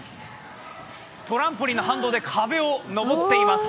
トランポリンの反動で壁を登っています。